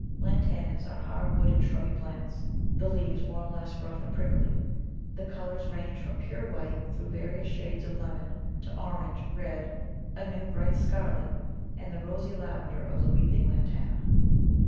Lantanas ARE hard wooded, shrubby plants, the leaves more or less rough and prickly. The colours range from pure white through various shades of lemon to orange, red, a new bright scarlet, and the rosy lavender of the Weeping Lantana.